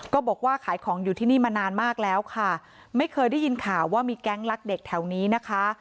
บอกว่าขายของอยู่ที่นี่มานานมากแล้วค่ะไม่เคยได้ยินข่าวว่ามีแก๊งลักเด็กแถวนี้นะคะ